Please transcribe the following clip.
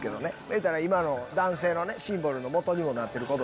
いうたら今の男性のシンボルのモトにもなってる言葉です。